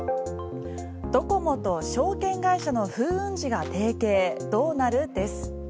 ドコモと証券会社の風雲児が提携どうなる？です。